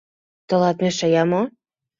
— Тылат мешая мо?